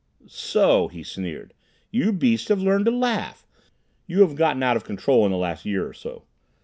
"So!" he sneered. "You beasts have learned to laugh. You have gotten out of control in the last year or so.